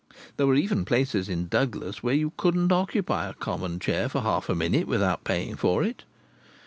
There were even places in Douglas where you couldn't occupy a common chair for half a minute without paying for it.